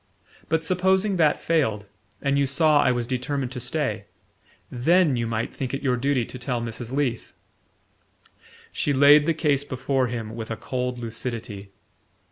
But supposing that failed, and you saw I was determined to stay? THEN you might think it your duty to tell Mrs. Leath." She laid the case before him with a cold lucidity.